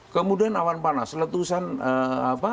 kemudian awan panas letusan anak krakatau